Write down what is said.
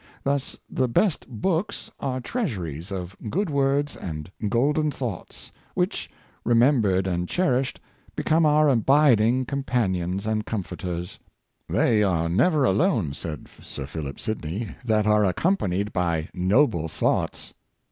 Thus the best books are treas uries of good words and golden thoughts, which, re membered and cherished, become our abiding compan ions and comforters. " They are never alone," said Sir Philip Sidney, " that are accompanied by noble thoughts."